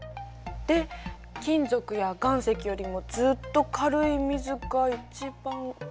で金属や岩石よりもずっと軽い水が一番上に？